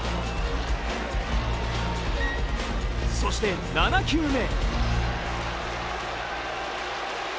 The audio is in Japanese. そして７球目。